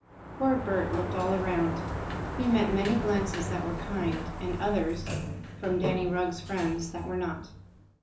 Poor Bert looked all around. He met many glances that were kind, and others, from Danny Rugg's friends, that were not.